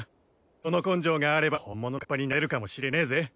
その根性があれば本物の河童になれるかもしれねえぜ。